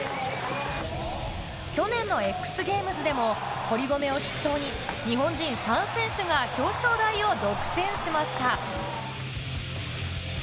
去年のＸＧａｍｅｓでも堀米を筆頭に、日本人３選手が表彰台を独占しました。